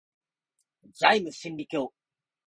ザイム真理教